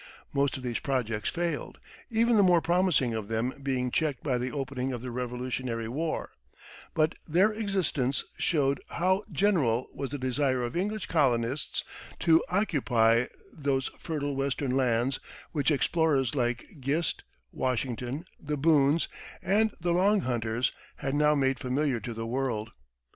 Most of these projects failed, even the more promising of them being checked by the opening of the Revolutionary War; but their existence showed how general was the desire of English colonists to occupy those fertile Western lands which explorers like Gist, Washington, the Boones, and the Long Hunters had now made familiar to the world.